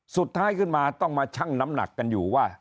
สุดท้ายขึ้นมาต้องมาชั่งน้ำหนักกันอยู่ว่า